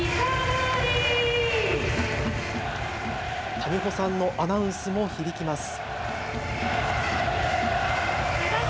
谷保さんのアナウンスも響きます。